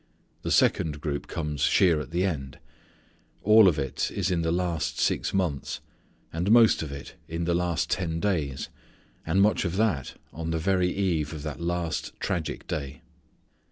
The second group comes sheer at the end. All of it is in the last six months, and most of it in the last ten days, and much of that on the very eve of that last tragic day.